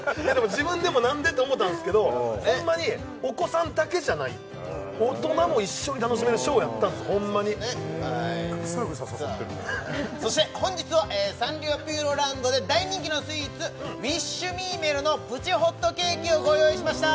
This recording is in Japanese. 自分でも「何で？」って思たんすけどホンマにお子さんだけじゃない大人も一緒に楽しめるショーやったんすよホンマにビックリするぐらい刺さってるそして本日はサンリオピューロランドで大人気のスイーツウィッシュミーメルのプチホットケーキをご用意しました